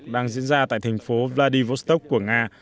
đang diễn ra tại thành phố vladivostok của nga